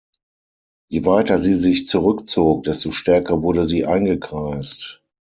Je weiter sie sich zurückzog, desto stärker wurde sie eingekreist.